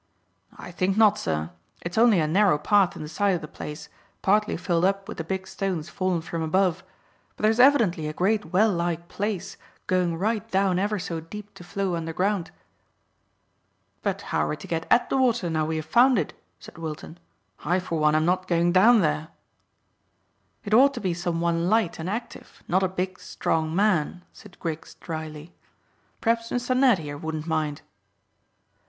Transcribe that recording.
"I think not, sir; it's only a narrow path in the side of the place, partly filled up with the big stones fallen from above; but there's evidently a great well like place going right down ever so deep to flow underground." "But how are we to get at the water now we have found it?" said Wilton. "I for one am not going down there." "It ought to be some one light and active, not a big, strong man," said Griggs dryly. "P'r'aps Mr Ned here wouldn't mind."